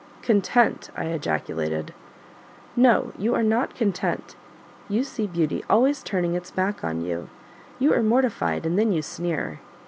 "Content!" I ejaculated. "No, you are not content; you see beauty always turning its back on you; you are mortified and then you sneer.